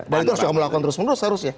dan itu harus kamu lakukan terus menerus ya